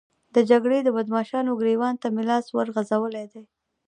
د جګړې د بدماشانو ګرېوان ته مې لاس ورغځولی دی.